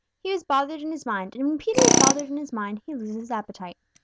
He was bothered in his mind, and when Peter is bothered in his mind, he loses his appetite.